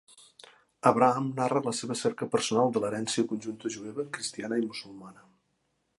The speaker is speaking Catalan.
"Abraham" narra la seva cerca personal de l'herència conjunta jueva, cristiana i musulmana.